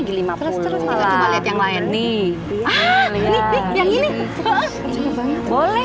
kita tak pleasure sama dair pak jariwe